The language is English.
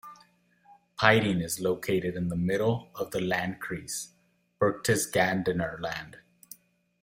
Piding is located in the middle of the "Landkreis" Berchtesgadener Land.